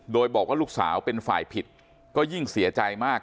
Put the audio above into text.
โดยบอกว่าลูกสาวเป็นฝ่ายผิดก็ยิ่งเสียใจมาก